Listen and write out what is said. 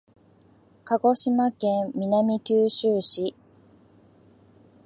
鹿児島県南九州市